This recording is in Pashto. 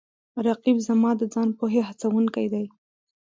رقیب زما د ځان پوهې هڅوونکی دی